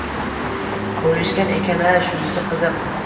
Olishgan ekan-a? Shunisi qiziq!